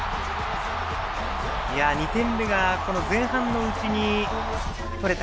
２点目が、前半のうちに取れた。